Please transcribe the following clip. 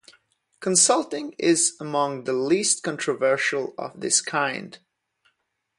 Consulting is among the least controversial of this kind.